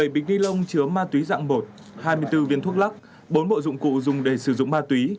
bảy bích đi lông chứa ma túy dạng một hai mươi bốn viên thuốc lắc bốn bộ dụng cụ dùng để sử dụng ma túy